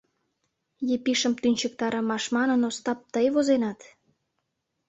«Епишым тӱнчыктарымаш» манын, Остап, тый возенат.